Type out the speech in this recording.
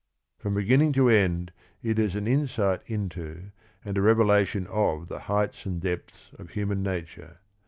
From beginning to end it is an in sight into, and a revelation of the heights and depths of human nature.